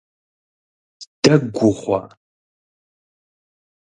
Дэгу ухъуа?